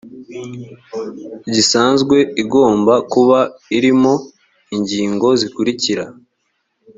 gisanzwe igomba kuba irimo ingingo zikurikira